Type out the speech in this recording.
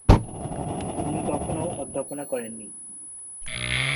তিনি কখনও অধ্যাপনা করেনি।